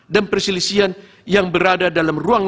dan perselisihan yang berada dalam ruang